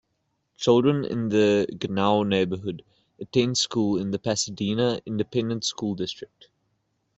Children in the Genoa neighborhood attend school in the Pasadena Independent School District.